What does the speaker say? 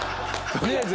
とりあえず。